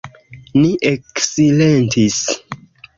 Ni eksilentis.